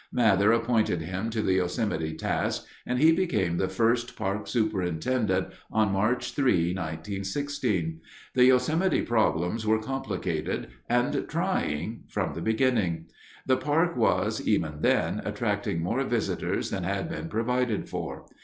Mather appointed him to the Yosemite task and he became the first park superintendent on March 3, 1916. The Yosemite problems were complicated and trying from the beginning. The park was, even then, attracting more visitors than had been provided for.